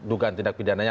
dugaan tindak pidananya